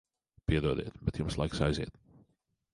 Piedodiet, bet jums laiks aiziet.